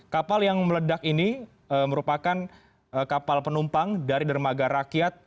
kapal yang meledak ini merupakan kapal penumpang dari dermaga rakyat